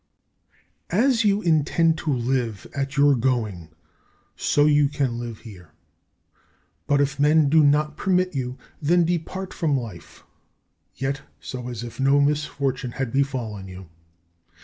29. As you intend to live at your going, so you can live here. But, if men do not permit you, then depart from life, yet so as if no misfortune had befallen you.